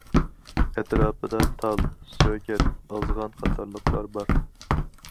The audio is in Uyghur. ئەتراپىدا تال، سۆگەت، ئازغان قاتارلىقلار بار.